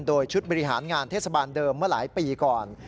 โดยชุดบริหารงานเทศบาลเดิมเมื่อหลายปีก่อน